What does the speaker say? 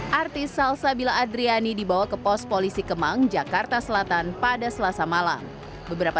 hai artis salsabila adriani dibawa ke pos polisi kemang jakarta selatan pada selasa malam beberapa